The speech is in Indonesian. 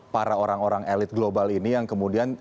para orang orang elit global ini yang kemudian